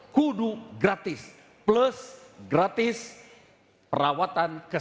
kudu gratis plus gratis perawatan kesehatan